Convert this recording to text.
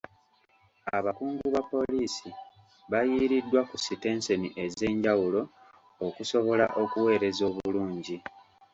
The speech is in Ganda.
Abakungu ba poliisi bayiiriddwa ku sitenseni ez'enjawulo okusobola okuweereza obulungi.